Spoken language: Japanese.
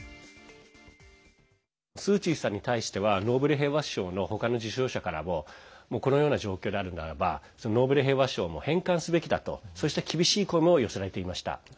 スー・チーさんに対してはノーベル平和賞の他の受賞者からもこのような状況であるならばノーベル平和賞も返還すべきだとそうした厳しい声も寄せられていました。